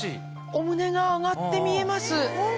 お胸が上がって見えます。